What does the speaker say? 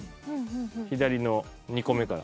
左の２個目から。